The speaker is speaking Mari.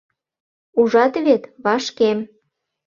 — Ужат вет, вашкем.